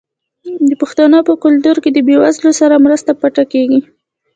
د پښتنو په کلتور کې د بې وزلو سره مرسته پټه کیږي.